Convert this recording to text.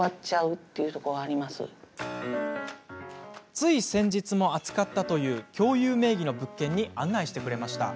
つい先日も扱ったという共有名義の物件に案内してくれました。